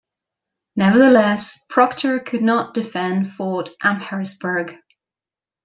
Nevertheless, Procter could not defend Fort Amherstburg.